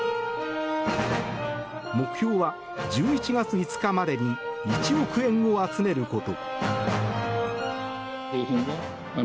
目標は１１月５日までに１億円を集めること。